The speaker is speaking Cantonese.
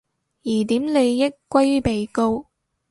疑點利益歸於被告